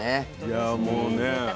いやもうね